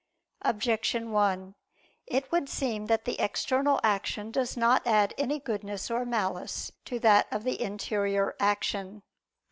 Objection 1: It would seem that the external action does not add any goodness or malice to that of the interior action.